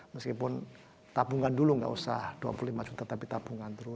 meskipun tabungan dulu nggak usah dua puluh lima juta tapi tabungan terus